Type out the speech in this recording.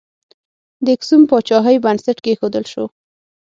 د اکسوم پاچاهۍ بنسټ کښودل شو.